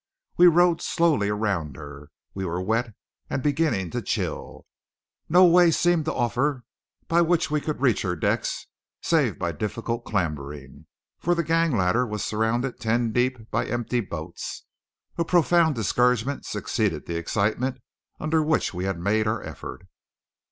We rowed slowly around her. We were wet, and beginning to chill. No way seemed to offer by which we could reach her decks save by difficult clambering, for the gang ladder was surrounded ten deep by empty boats. A profound discouragement succeeded the excitement under which we had made our effort.